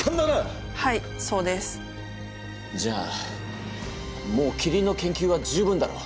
はいそうです。じゃあもうキリンの研究は十分だろ。